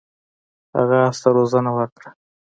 هغه اس ته روزنه ورکړه.